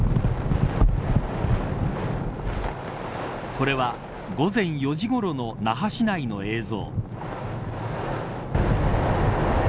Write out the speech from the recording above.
これは、午前４時ごろの那覇市内の映像。